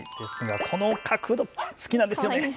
この角度、好きなんです。